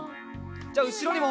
じゃあうしろにも。